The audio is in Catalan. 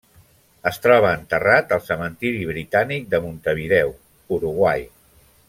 Es troba enterrat al Cementiri Britànic de Montevideo, Uruguai.